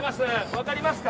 分かりますか？